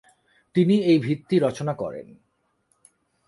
তিনি এই ভিত্তি রচনা করেন।